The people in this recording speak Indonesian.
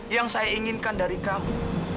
yang saya inginkan dari kamu